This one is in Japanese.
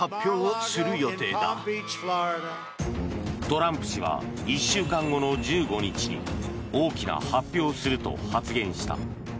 トランプ氏は１週間後の１５日に大きな発表をすると発言した。